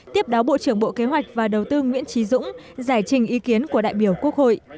tiếp đáo bộ trưởng bộ kế hoạch và đầu tư nguyễn trí dũng giải trình ý kiến của đại biểu quốc hội